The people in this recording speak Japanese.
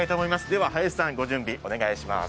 では林さん、ご準備お願いします。